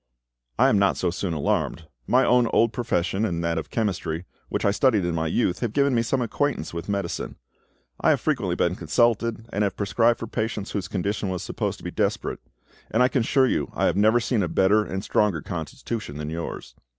I am not so soon alarmed. My own old profession, and that of chemistry, which I studied in my youth, have given me some acquaintance with medicine. I have frequently been consulted, and have prescribed for patients whose condition was supposed to be desperate, and I can assure you I have never seen a better and stronger constitution than yours.